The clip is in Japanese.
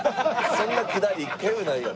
そんなくだり一回もないやん。